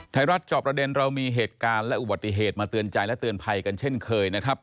จอบประเด็นเรามีเหตุการณ์และอุบัติเหตุมาเตือนใจและเตือนภัยกันเช่นเคยนะครับ